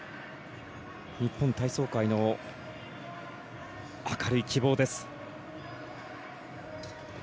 日本体操界の明るい希望です。